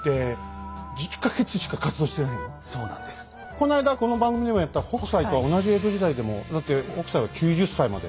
この間この番組でもやった北斎とは同じ江戸時代でもだって北斎は９０歳まで。